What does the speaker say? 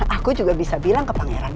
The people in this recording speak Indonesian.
aku juga bisa bilang ke pangeran